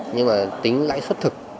nhưng tính lãi suất thực